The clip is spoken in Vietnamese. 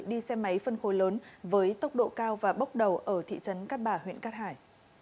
đi xe máy phân khối lớn với tốc độ cao và bốc đầu ở thị trấn cát bà huyện cát hải